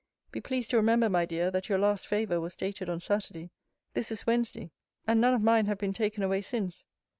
Be pleased to remember, my dear, that your last favour was dated on Saturday. This is Wednesday: and none of mine have been taken away since.